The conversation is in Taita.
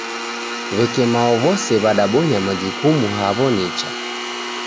W'eke mao w'ose w'adabonya majukumu haw'o nicha